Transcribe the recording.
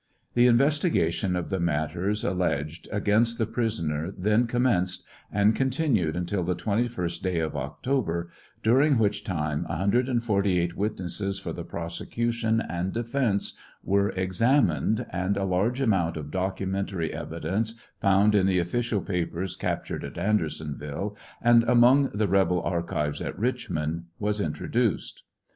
The investigation of the matters alleged against the prisoner then commenced, and continued until the Slst day of October, during which time 148 witnesses for the prosecution and defence were examined, and a large amount of docu mentary evidence found in the official papers captured at Andersonville, and among the rebel archives at Richmond, was introduced.